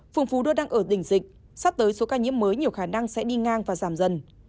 phùng phú đưa đang ở đỉnh dịch sắp tới số ca nhiễm mới nhiều khả năng sẽ đi ngang và giảm dần